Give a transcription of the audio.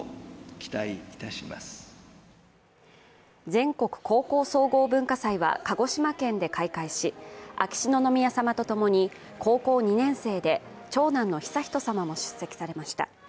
全国高校総合文化祭は鹿児島県で開会し、秋篠宮さまとともに高校２年生で長男の悠仁さまも出席されました。